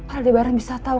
aldebaran bisa tau